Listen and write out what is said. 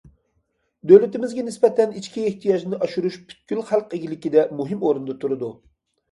دۆلىتىمىزگە نىسبەتەن ئىچكى ئېھتىياجنى ئاشۇرۇش پۈتكۈل خەلق ئىگىلىكىدە مۇھىم ئورۇندا تۇرىدۇ.